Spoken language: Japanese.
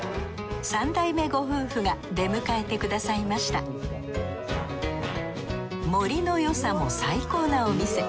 三代目ご夫婦が出迎えてくださいました盛りのよさも最高なお店。